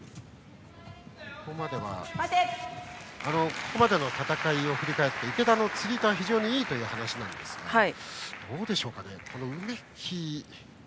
ここまでの戦いを振り返って池田の釣り手は非常にいいという話ですがどうでしょう、梅木は。